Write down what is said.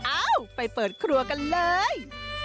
เอ้าไปเปิดครัวกันเลย